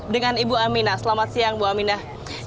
dengan ibu amina selamat siang ibu aminah